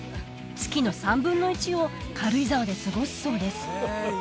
月の３分の１を軽井沢で過ごすそうです